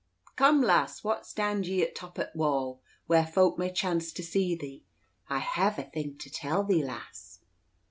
"Come, lass, what stand ye for atoppa t' wall, whar folk may chance to see thee? I hev a thing to tell thee, lass."